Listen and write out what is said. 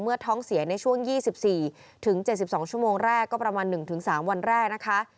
ท้องเสียในช่วง๒๔๗๒ชั่วโมงแรกก็ประมาณ๑๓วันแรกนะคะ